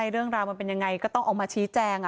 เรื่องราวมันเป็นยังไงก็ต้องออกมาชี้แจง